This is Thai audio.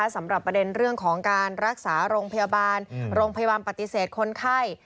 สำหรับประเด็นเรื่องของการรักษาโรงพยาบาลโรงพยาบาลปฏิเสธคนไข้